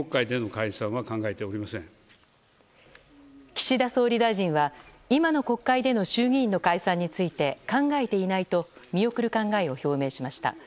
岸田総理大臣は、今の国会での衆議院の解散について考えていないと見送る考えを表明しました。